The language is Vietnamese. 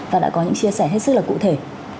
và đã có những chia sẻ hết sức là cụ thể